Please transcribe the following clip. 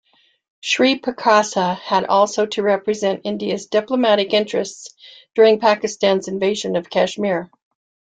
Sri Prakasa had also to represent India's diplomatic interests during Pakistan's invasion of Kashmir.